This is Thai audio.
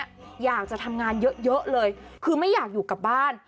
อยากจะทำงานเยอะเยอะเลยคือไม่อยากอยู่กับบ้าน